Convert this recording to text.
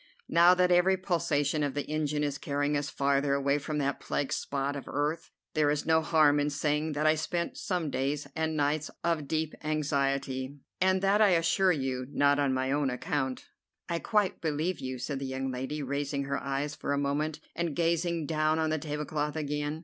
Now that every pulsation of the engine is carrying us farther away from that plague spot of earth, there is no harm in saying that I spent some days and nights of deep anxiety, and that, I assure you, not on my own account." "I quite believe you," said the young lady, raising her eyes for a moment, and gazing down on the tablecloth again.